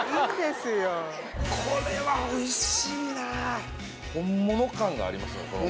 これはおいしいな本物感がありますね